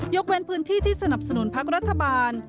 เว้นพื้นที่ที่สนับสนุนพักรัฐบาล